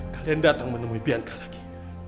kalian datang menemui bianka lagi